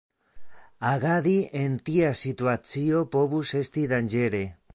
Agadi en tia situacio povus esti danĝere.